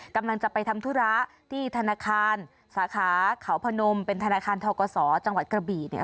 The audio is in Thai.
กำลังจะไปทำธุระที่ธนาคารสาขาเขาพนมเป็นธนาคารทกศจังหวัดกระบี่เนี่ย